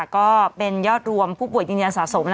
ก็เป็นยอดรวมผู้ป่วยยืนยันสะสม